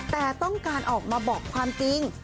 แต่ต้องการออกมาบอกความจริง